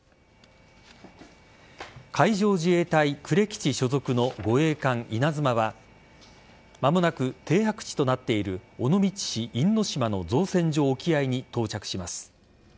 海上自衛隊呉基地所属の護衛艦「いなづま」は間もなく、停泊地となっている尾道市因島の造船所沖合に到着します。